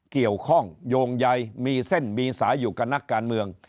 เกี่ยวข้องโยงใยมีเส้นมีสายอยู่กับนักการเมือง